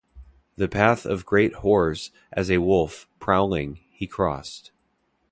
The path of great Hors, as a wolf, prowling, he crossed.